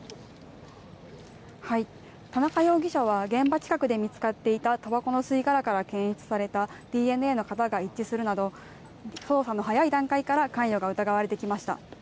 田中容疑者は、現場近くで見つかっていたたばこの吸い殻から検出されたＤＮＡの型が一致するなど、捜査の早い段階から関与が疑われてきました。